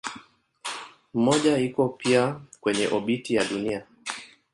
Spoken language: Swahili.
Mmoja iko pia kwenye obiti ya Dunia.